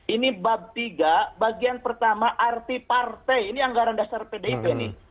ini bab tiga bagian pertama arti partai ini anggaran dasar pdip nih